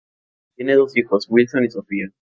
Tiene dos hijos: Wilson y Sofía.